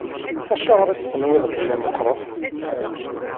Acuɣer i as-tenwiḍ belli meqqṛet?